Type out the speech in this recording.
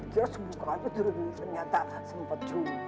just buka aja ternyata sempet juga ya